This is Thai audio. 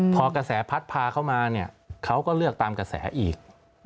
พอกระแสพัดพาเข้ามาเนี่ยเขาก็เลือกตามกระแสอีก